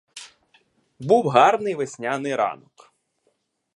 Був гарний весняний ранок.